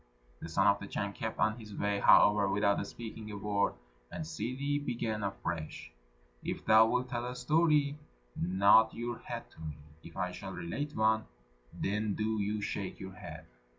The Son of the Chan kept on his way, however, without speaking a word, and Ssidi began afresh, "If thou wilt tell a story, nod your head to me; if I shall relate one, then do you shake your head."